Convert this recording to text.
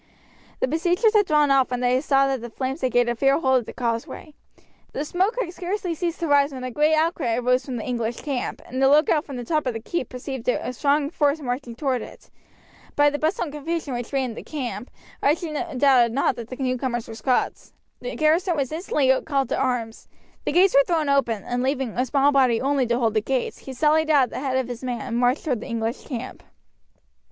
The besiegers had drawn off when they saw that the flames had gained a fair hold of the causeway. The smoke had scarcely ceased to rise when a great outcry arose from the English camp, and the lookout from the top of the keep perceived a strong force marching toward it. By the bustle and confusion which reigned in the camp Archie doubted not that the newcomers were Scots. The garrison were instantly called to arms. The gates were thrown open, and leaving a small body only to hold the gates, he sallied out at the head of his men and marched toward the English camp.